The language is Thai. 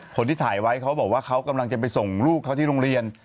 คนที่ถ่ายไว้เขาบอกว่าเขากำลังจะไปส่งลูกเขาที่โรงเรียน